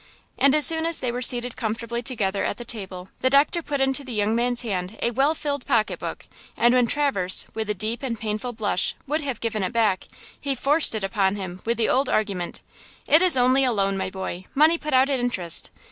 And as soon as they were seated comfortably together at the table the doctor put into the young man's hand a well filled pocketbook; and when Traverse, with a deep and painful blush, would have given it back, he forced it upon him with the old argument: "It is only a loan, my boy! Money put out at interest!